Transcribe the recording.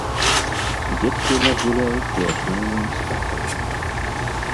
Дзеткі ў нас гуляюць, у асноўным, з татамі.